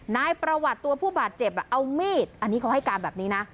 นายประวัติตัวผู้บาดเจ็บเอามีดอันนี้เขาให้การแบบนี้นะ